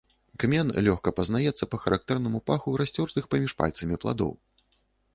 Кмен лёгка пазнаецца па характэрнаму паху расцёртых паміж пальцамі пладоў.